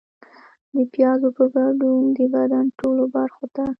د پیازو په ګډون د بدن ټولو برخو ته